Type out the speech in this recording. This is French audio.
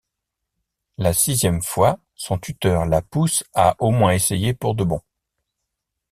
La sixième fois, son tuteur la pousse à au moins essayer pour de bon.